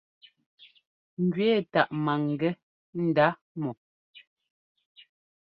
Ŋjʉɛ́ táʼ maŋgɛ́ ndá mɔ.